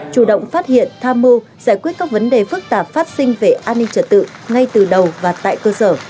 chủ động phát hiện tham mưu giải quyết các vấn đề phức tạp phát sinh về an ninh trật tự ngay từ đầu và tại cơ sở